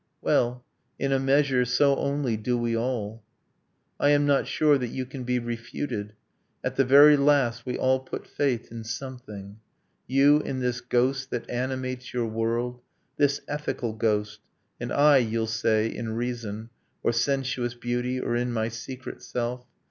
Well, in a measure, so only do we all. I am not sure that you can be refuted. At the very last we all put faith in something, You in this ghost that animates your world, This ethical ghost, and I, you'll say, in reason, Or sensuous beauty, or in my secret self